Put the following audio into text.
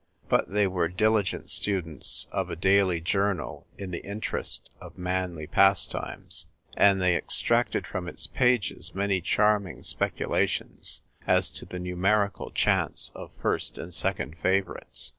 But they were diligent students of a daily journal in the interest of manly pastimes : and they extracted from its pages many charming speculations as to the numerical chance of first and second favourites.